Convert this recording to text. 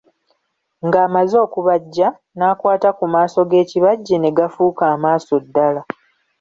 Ng'amaze okubajja, n'akwata ku maaso g'ekibajje ne gafuuka amaaso ddala.